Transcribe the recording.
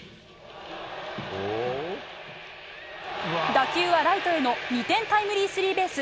打球はライトへの２点タイムリースリーベース。